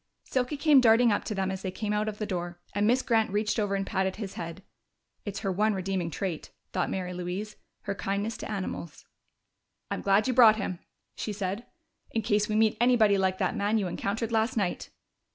Silky came darting up to them as they came out of the door, and Miss Grant reached over and patted his head. ("It's her one redeeming trait," thought Mary Louise "her kindness to animals.") "I'm glad you brought him," she said, "in case we meet anybody like that man you encountered last night!"